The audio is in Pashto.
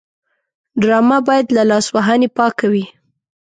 ډرامه باید له لاسوهنې پاکه وي